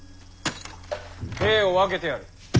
兵を分けてやる。